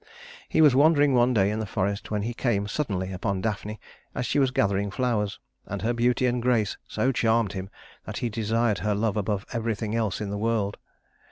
He was wandering one day in the forest when he came suddenly upon Daphne as she was gathering flowers, and her beauty and grace so charmed him that he desired her love above everything else in the world.